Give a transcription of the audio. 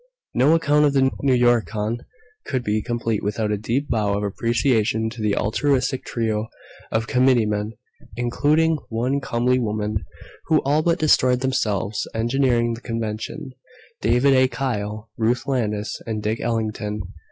No account of the Newyorcon could be complete without a deep bow of appreciation to the altruistic trio of committeemen (including one comely woman) who all but destroyed themselves engineering the Convention: David A. Kyle, Ruth Landis and Dick Ellington.